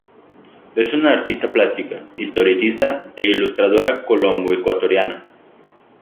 Es una artista plástica, historietista e ilustradora colombo-ecuatoriana.